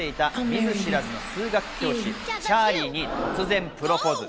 見ず知らずの数学教師・チャーリーに突然プロポーズ。